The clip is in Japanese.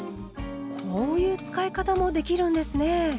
こういう使い方もできるんですね。